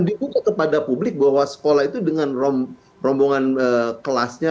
dibuka kepada publik bahwa sekolah itu dengan rombongan kelasnya